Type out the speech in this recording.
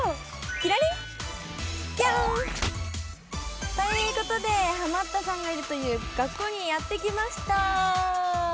キラリン！ということでハマったさんがいるという学校にやってきました！